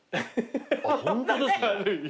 あっホントですね。